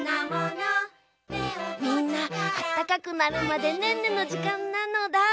みんなあったかくなるまでねんねのじかんなのだ。